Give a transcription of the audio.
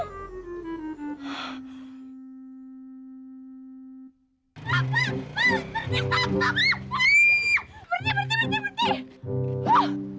merti merti merti merti